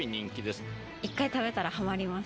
一回食べたらはまります。